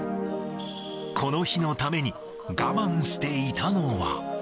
この日のために、我慢していたのは。